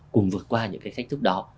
cùng vượt qua những cái thách thức đó